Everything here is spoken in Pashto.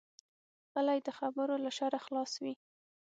غلی، د خبرو له شره خلاص وي.